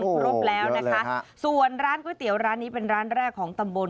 ครบแล้วนะคะส่วนร้านก๋วยเตี๋ยวร้านนี้เป็นร้านแรกของตำบล